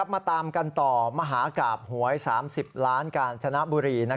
มาตามกันต่อมหากราบหวย๓๐ล้านกาญจนบุรี